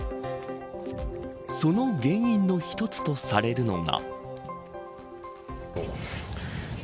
その原因の１つとされるのが。